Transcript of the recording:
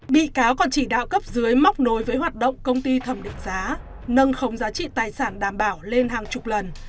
bị cáo còn chỉ đạo cấp dưới móc nối với hoạt động công ty thẩm định giá nâng khống giá trị tài sản đảm bảo lên hàng chục lần